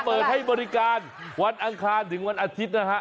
เปิดให้บริการวันอังคารถึงวันอาทิตย์นะฮะ